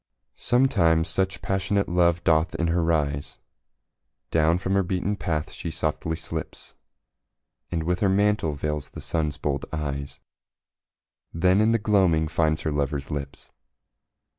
Sometimes such passionate love doth in her rise, Down from her beaten path she softly slips, And with her mantle veils the Sun's bold eyes, Then in the gloaming finds her lover's lips.